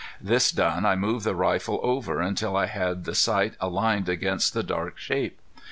This done I moved the rifle over until I had the sight aligned against the dark shape.